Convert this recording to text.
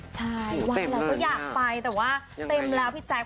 ใช่ว่างแล้วก็อยากไปแต่ว่าเต็มแล้วพี่แจ๊ค